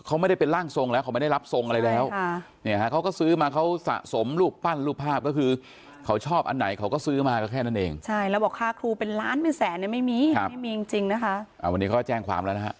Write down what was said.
เขาไม่ได้เป็นร่างทรงแล้วเขาไม่ได้รับทรงอะไรแล้ว